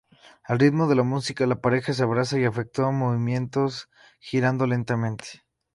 Al ritmo de la música, la pareja se abraza, y efectúa movimientos girando lentamente.